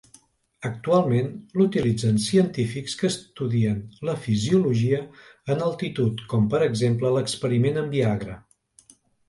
Actualment l'utilitzen científics que estudien la fisiologia en altitud com, per exemple, l'experiment amb Viagra.